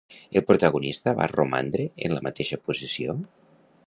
El protagonista va romandre en la mateixa posició?